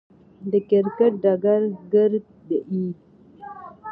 د کرکټ ډګر ګيردى يي.